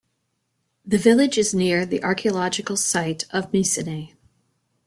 The village is near the archaeological site of Mycenae.